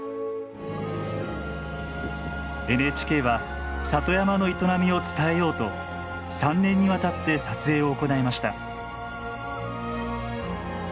ＮＨＫは里山の営みを伝えようと３年にわたって撮影を行いました。